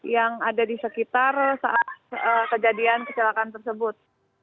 yang ada di sekitar saat kejadian kecelakaan tersebut